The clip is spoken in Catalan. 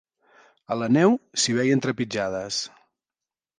A la neu, s'hi veien trepitjades.